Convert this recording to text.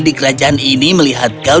di kerajaan ini melihat game